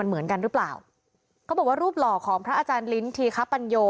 เหมือนกันหรือเปล่าเขาบอกว่ารูปหล่อของพระอาจารย์ลิ้นธีคปัญโย